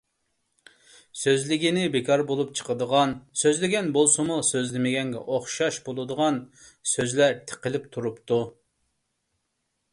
سۆزلىگىنى بىكار بولۇپ چىقىدىغان، سۆزلىگەن بولسىمۇ سۆزلىمىگەنگە ئوخشاش بولىدىغان سۆزلەر تىقىلىپ تۇرۇپتۇ.